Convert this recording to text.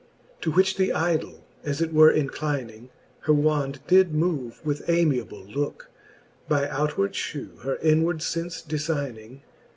VIII. To which the idoll, as it were, inclining. Her wand did move with amiable looke. By outward Ihew her inward fence defining.